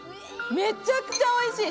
めちゃくちゃおいしい。